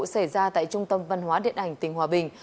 xảy ra tại trung tâm văn hóa điện ảnh tình hòa bình